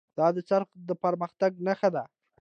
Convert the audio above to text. دا څرخ د پرمختګ نښه ده.